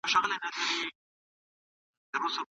خدای پاک هیڅ وختبنده یوازې نه پرېږدي.